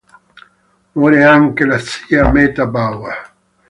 Muore anche la zia Meta Bauer.